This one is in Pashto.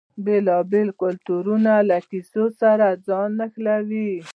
بیلابیل کلتورونه له کیسې سره ځان نښلوي.